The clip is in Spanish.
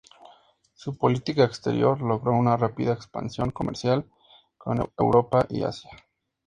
Su política exterior logró una rápida expansión comercial con Europa y Asia.